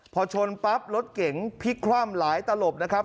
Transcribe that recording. พอชนปั๊บรถเก๋งพลิกคว่ำหลายตลบนะครับ